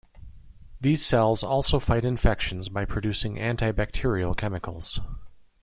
These cells also fight infections by producing antibacterial chemicals.